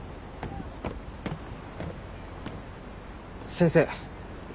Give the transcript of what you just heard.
先生。